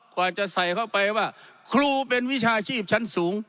กว่าจะใส่เข้าไปว่าครูเป็นวิชาชีพชั้นสูง